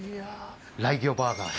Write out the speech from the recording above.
ライギョバーガー。